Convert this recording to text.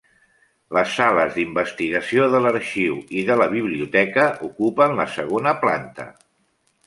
Les sales d'investigació de l'arxiu i de la biblioteca ocupen la segona planta.